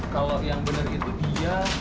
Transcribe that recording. kalau yang benar itu iya